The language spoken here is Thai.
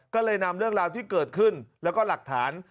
ก็เลยนำเรื่องราวที่เกิดขึ้นแล้วก็หลักฐาน